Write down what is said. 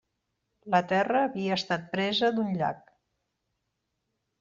La terra havia estat presa d'un llac.